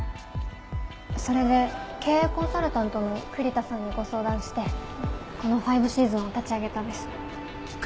それで経営コンサルタントの栗田さんにご相談してこのファイブシーズンを立ち上げたんです。